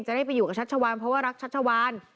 ได้ไปอยู่กับชัชวานเพราะว่ารักชัชวาน